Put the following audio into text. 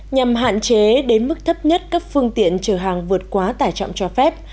nhằm hạn chế đến mức thấp nhất các phương tiện chở hàng vượt quá tải trọng cho phép